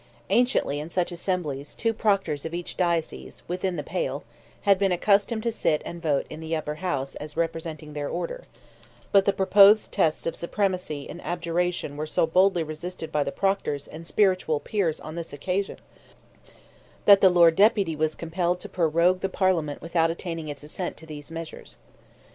Anciently in such assemblies two proctors of each diocese, within the Pale, had been accustomed to sit and vote in the Upper House as representing their order, but the proposed tests of supremacy and abjuration were so boldly resisted by the proctors and spiritual peers on this occasion that the Lord Deputy was compelled to prorogue the Parliament without attaining its assent to those measures.